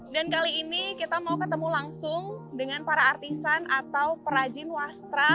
dan kali ini kita mau ketemu langsung dengan para artisan atau perajin wastra